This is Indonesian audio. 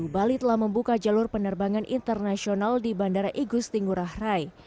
bali telah membuka jalur penerbangan internasional di bandara igusti ngurah rai